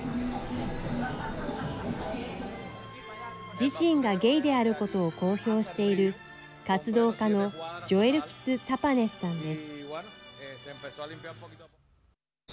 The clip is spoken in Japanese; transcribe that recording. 自身がゲイであることを公表している活動家のジョエルキス・タパネスさんです。